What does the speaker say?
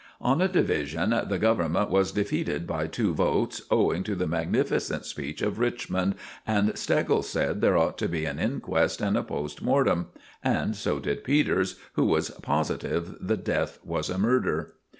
On a division the Government was defeated by two votes, owing to the magnificent speech of Richmond, and Steggles said there ought to be an inquest and a post mortem; and so did Peters, who was positive the death was a murder.